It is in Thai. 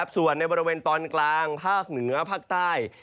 ส่วนในบริเวณตอนกลางภาคเหนือภาคใต้